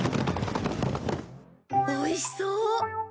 おいしそう！